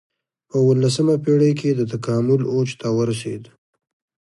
په اولسمه پېړۍ کې د تکامل اوج ته ورسېد.